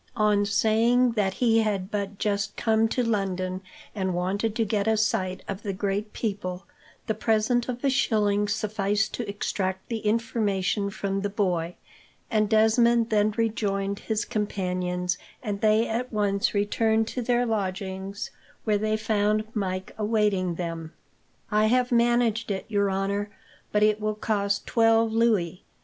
On saying that he had but just come to London, and wanted to get a sight of the great people, the present of a shilling sufficed to extract the information from the boy; and Desmond then rejoined his companions, and they at once returned to their lodgings, where they found Mike awaiting them. "I have managed it, your honour, but it will cost twelve louis.